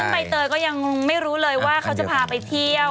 ใบเตยก็ยังไม่รู้เลยว่าเขาจะพาไปเที่ยว